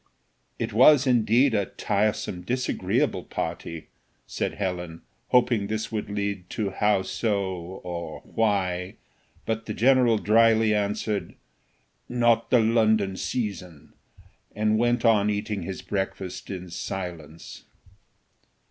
"It was, indeed, a tiresome, disagreeable party," said Helen, hoping this would lead to how so? or why? but the general drily answered, "Not the London season," and went on eating his breakfast in silence.